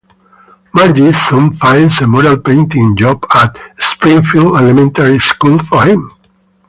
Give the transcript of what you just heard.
Marge soon finds a mural-painting job at Springfield Elementary School for him.